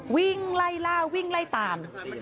วิ่งไล่ล่าวิ่งไล่ตาม